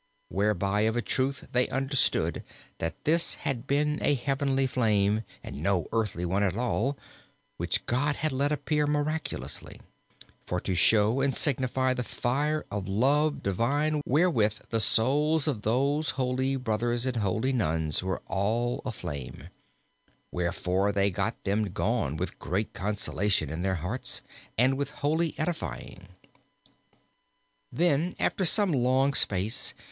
Whereby of a truth they understood that this had been a heavenly flame and no earthly one at all, which God had let appear miraculously, for to show and signify the fire of love divine wherewith the souls of those holy brothers and holy nuns were all aflame; wherefor they got them gone with great consolation in their hearts and with holy edifying. Then after some long space.